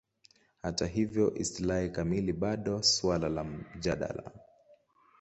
Hata hivyo, istilahi kamili bado suala la mjadala.